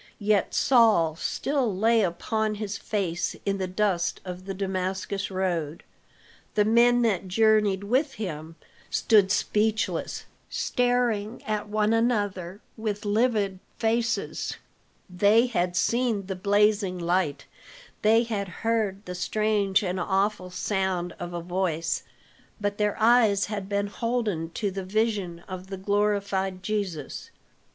Yet Saul still lay upon his face in the dust of the Damascus road. The men that journeyed with him stood speechless, staring at one another with livid faces. They had seen the blazing light, they had heard the strange and awful sound of a voice, but their eyes had been holden to the vision of the glorified Jesus.